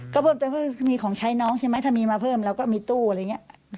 ก็เพิ่มเติมก็มีของใช้น้องใช่ไหมถ้ามีมาเพิ่มเราก็มีตู้อะไรอย่างนี้